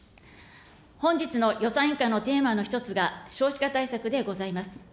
本日の予算委員会のテーマの一つが、少子化対策でございます。